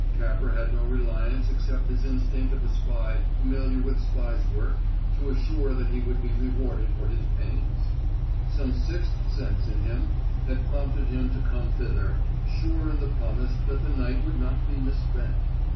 Capper had no reliance except his instinct of a spy familiar with spy's work to assure that he would be rewarded for his pains. Some sixth sense in him had prompted him to come thither, sure in the promise that the night would not be misspent.